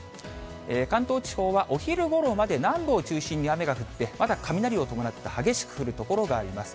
関東地方はお昼ごろまで、南部を中心に雨が降って、まだ雷を伴って激しく降る所があります。